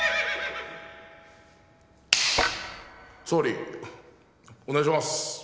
総理お願いします。